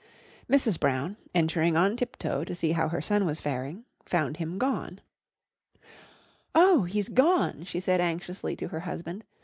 Mrs. Brown, entering on tiptoe to see how her son was faring, found him gone. "Oh, he's gone," she said anxiously to her husband.